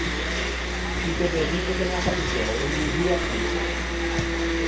Tutte e desdicce che m’é accapitou en dovue à ti.